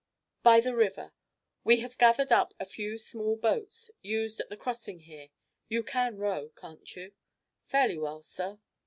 "By the river. We have gathered up a few small boats, used at the crossing here. You can row, can't you?" "Fairly well, sir."